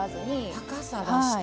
高さ出して。